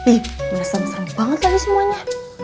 ih bener bener serem banget lagi semuanya